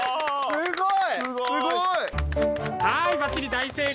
すごい。